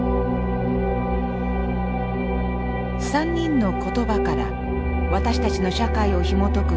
３人の言葉から私たちの社会をひもとく